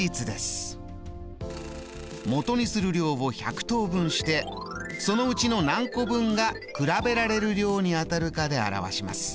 もとにする量を１００等分してそのうちの何個分が比べられる量に当たるかで表します。